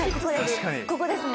ここですね。